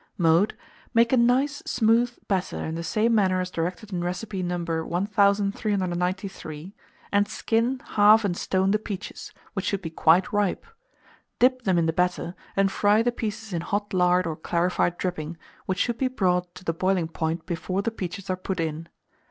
Mode. Make a nice smooth, batter in the same manner as directed in recipe No. 1393, and skin, halve, and stone the peaches, which should be quite ripe; dip them in the batter, and fry the pieces in hot lard or clarified dripping, which should be brought to the boiling point before the peaches are put in.